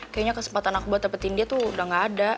kayaknya kesempatan aku buat dapetin dia tuh udah gak ada